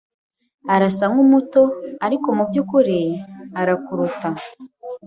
Arasa nkumuto, ariko mubyukuri arakuruta.